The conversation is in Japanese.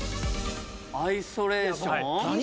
アイソレーション